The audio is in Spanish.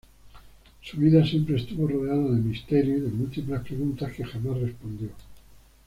Su vida siempre estuvo rodeada de misterio y de múltiples preguntas que jamás respondió.